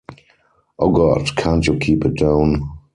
Oh God, can't you keep it down?...